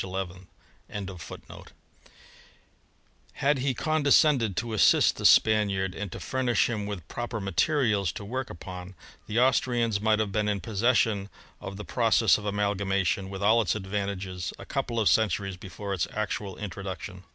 * Had he condescended to assist the Spaniard, J and to fumish him with proper materials to work upon, the Austrians might have been in possession of the pro cess of amalgamation with all its advantages a couple of centuries before its actual introduction.